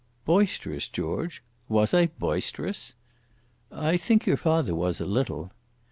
"Boisterous, George? Was I boisterous?" "I think your father was a little."